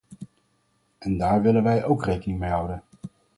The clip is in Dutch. En daar willen wij ook rekening mee houden.